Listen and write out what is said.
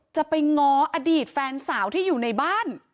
จะไปง้ออดีตแฟนสาวที่อยู่ในบ้าน